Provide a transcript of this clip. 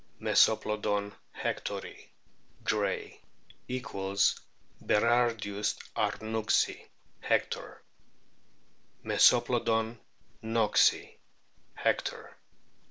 Mesoplodon kectori, Gray ;f (= Berardius arnuxi, Hector; Mesoplodon knoxi, Hector).